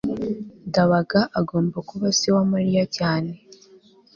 ndabaga agomba kuba se wa mariya cyane